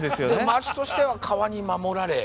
町としては川に守られ。